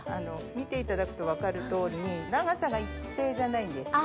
見ていただくと分かる通りに長さが一定じゃないんですよね。